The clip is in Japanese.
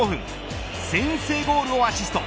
先制ゴールをアシスト。